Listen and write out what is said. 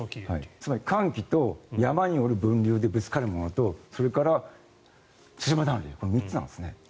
つまり寒気と山による分流でぶつかるものとそれから対馬暖流この３つなんですね。